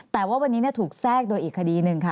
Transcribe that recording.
แต่ว่าวันนี้ถูกแทรกโดยอีกคดีหนึ่งค่ะ